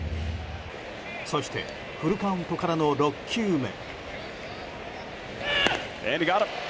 そして、フルカウントからの６球目。